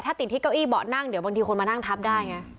ถ้าติดที่เก้าอี้เบาะนั่งเดี๋ยวบางทีคนมานั่งทับได้ไง